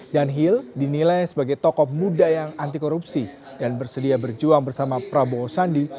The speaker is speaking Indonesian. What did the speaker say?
danhil dinilai sebagai tokoh muda yang anti korupsi dan bersedia berjuang bersama prabowo sandi